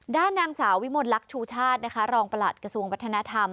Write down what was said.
ด้านนางสาววิมลลักษ์ชูชาตินะคะรองประหลัดกระทรวงวัฒนธรรม